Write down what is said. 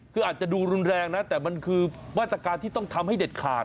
คืออาจจะดูรุนแรงนะแต่มันคือมาตรการที่ต้องทำให้เด็ดขาด